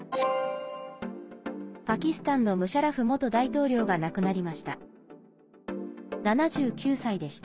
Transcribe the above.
パキスタンのムシャラフ元大統領が亡くなりました。